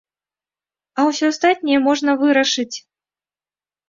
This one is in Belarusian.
А ўсё астатняе можна вырашыць.